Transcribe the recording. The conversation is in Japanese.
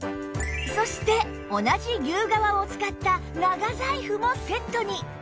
そして同じ牛革を使った長財布もセットに！